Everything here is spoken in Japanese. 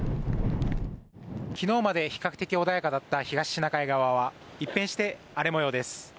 昨日まで比較的穏やかだった東シナ海側は一変して荒れ模様です。